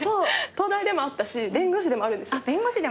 東大でもあったし弁護士でもあるんですよ。